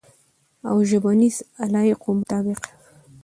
او ژبنیز علایقو مطابق